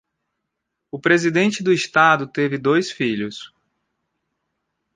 O presidente do estado teve dois filhos.